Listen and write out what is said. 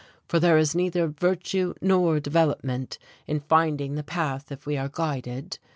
For there is neither virtue nor development in finding the path if we are guided.